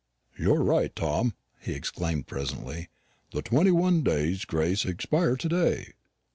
"You're right, Tom," he exclaimed presently. "The twenty one days' grace expire to day.